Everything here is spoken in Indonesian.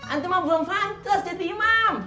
antum mah belum fantes jadi imam